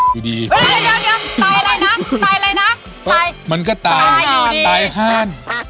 ตายห้านตายแบบห้าวห้าน